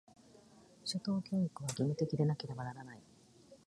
初等教育は、義務的でなければならない。